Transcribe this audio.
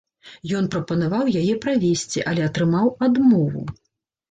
Ён прапанаваў яе правесці, але атрымаў адмову.